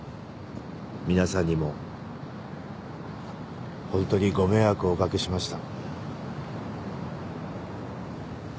皆さんにも本当にご迷惑をおかけしました。